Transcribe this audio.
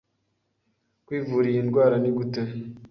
Kwivura iyi ndwara nigute